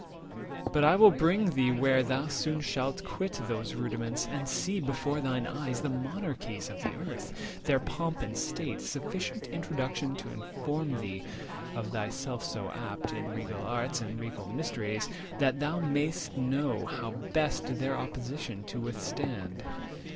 But I will bring thee where thou soon shalt quit Those rudiments, and see before thine eyes The monarchies of the Earth, their pomp and state— Sufficient introduction to inform Thee, of thyself so apt, in regal arts, And regal mysteries; that thou may'st know How best their opposition to withstand."